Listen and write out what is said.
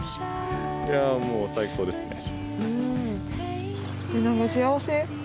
いやあ、もう最高ですね。